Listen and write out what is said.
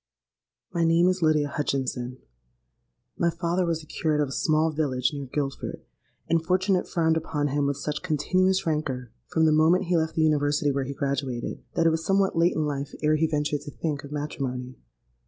"My name is Lydia Hutchinson. My father was the curate of a small village near Guildford; and fortune had frowned upon him with such continuous rancour from the moment he left the University where he graduated, that it was somewhat late in life ere he ventured to think of matrimony.